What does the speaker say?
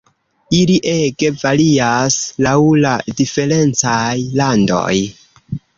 Ili ege varias laŭ la diferencaj landoj.